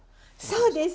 そうです。